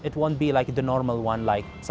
itu tidak akan seperti yang biasa